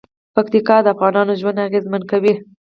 پکتیکا د افغانانو ژوند اغېزمن کوي.